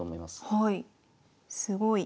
はい。